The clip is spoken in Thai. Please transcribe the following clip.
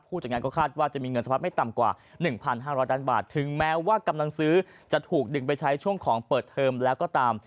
จัดงานก็คาดว่าจะมีเงินสะพัดไม่ต่ำกว่า๑๕๐๐ล้านบาทถึงแม้ว่ากำลังซื้อจะถูกดึงไปใช้ช่วงของเปิดเทอมแล้วก็ตาม